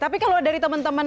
tapi kalau dari teman teman